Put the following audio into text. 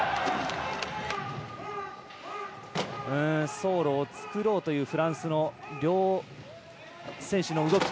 走路を作ろうというフランスの両選手の動き。